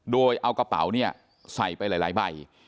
โดยเอากระเป๋าเนี่ยใส่ไปหลายใบ